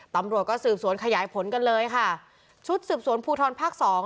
ตำรวจก็สืบสวนขยายผลกันเลยค่ะชุดสืบสวนภูทรภาคสอง